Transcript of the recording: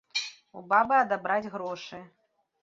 У бабы адабраць грошы.